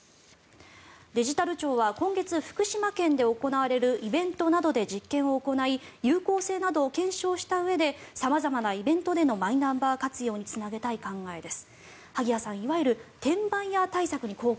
デジタル庁は今月福島県で行われるイベントなどで実験を行い有効性などを検証したうえで様々なイベントでのマイナンバー活用につなげたい考えです。